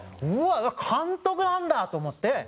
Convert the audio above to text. うわっ監督なんだ！と思って。